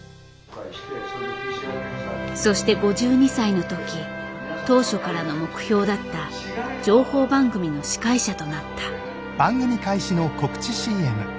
そして５２歳の時当初からの目標だった情報番組の司会者となった。